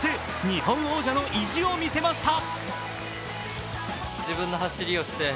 日本王者の意地を見せました。